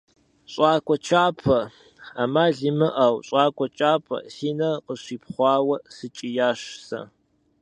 ЩӀакӀуэ кӀапэ! Ӏэмал имыӀэу, щӀакӀуэ кӀапэ! – си нэр къыщипхъуауэ сыкӀиящ сэ.